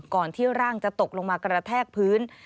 ที่ร่างจะตกลงมากระแทกพื้น